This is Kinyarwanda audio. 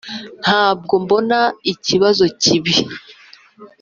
ntabwo mbona ikibazo cyibi.